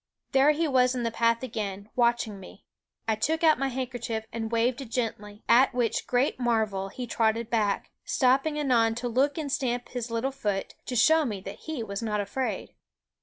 There he was in the path again, watching me. I took out my handkerchief and waved it gently; at which great marvel he trotted back, stopping anon to look and stamp his little foot, to show me that he was not afraid.